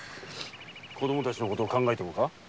子供たちのことを考えてもか？